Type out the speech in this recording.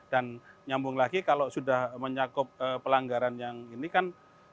dan nyambung lagi kalau sudah menyakup pelanggaran yang ini kan